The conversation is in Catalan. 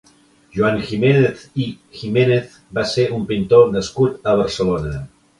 Joan Giménez i Giménez va ser un pintor nascut a Barcelona.